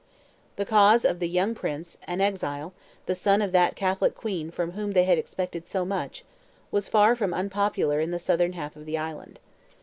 The cause of the young Prince, an exile, the son of that Catholic queen from whom they had expected so much, was far from unpopular in the southern half of the island.